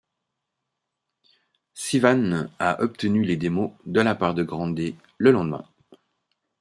Sivan a obtenu les démo de la part de Grande le lendemain.